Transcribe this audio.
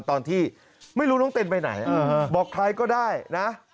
ตอนที่ไม่รู้น้องเต้นไปไหนบอกใครก็ได้นะ